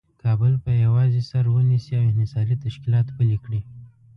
کابل په یوازې سر ونیسي او انحصاري تشکیلات پلي کړي.